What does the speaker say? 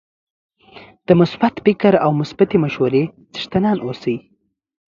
د مثبت فکر او مثبتې مشورې څښتنان اوسئ